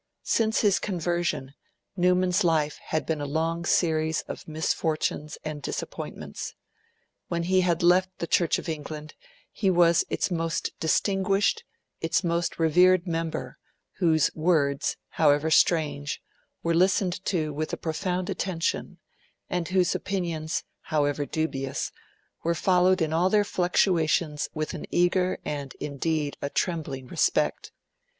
Since his conversion, Newman's life had been a long series of misfortunes and disappointments. When he had left the Church of England, he was its most distinguished, its most revered member, whose words, however strange, were listened to with profound attention, and whose opinions, however dubious, were followed in all their fluctuations with an eager and indeed a trembling respect.